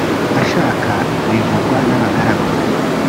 ashaka bivugwa n abagaragu